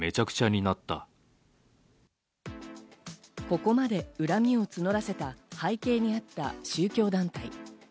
ここまで恨みを募らせた背景にあった宗教団体。